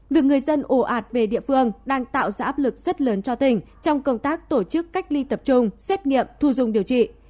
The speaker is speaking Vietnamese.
việc người dân ồ ạt về địa phương đang tạo ra áp lực rất lớn cho tỉnh trong công tác tổ chức cách ly tập trung xét nghiệm thu dung điều trị